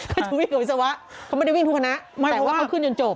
เขาจะวิ่งกับวิศวะเขาไม่ได้วิ่งทุกคณะแต่ว่าเขาขึ้นจนจบ